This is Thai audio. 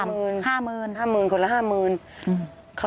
๕หมื่นคนละ๕หมื่นครับ